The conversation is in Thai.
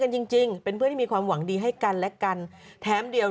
จริงจริงเป็นเพื่อนที่มีความหวังดีให้กันและกันแถมเดียว